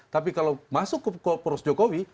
tapi kalau masuk ke poros jokowi